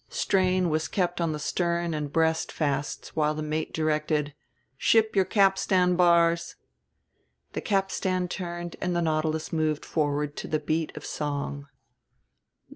Strain was kept on the stern and breast fasts while the mate directed: "Ship your capstan bars." The capstan turned and the Nautilus moved forward to the beat of song.